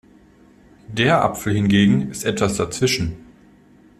Der Apfel hingegen ist etwas dazwischen.